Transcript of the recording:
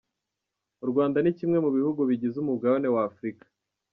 U Rwanda nikimwe mubihugu bigize umugabane wa afurika.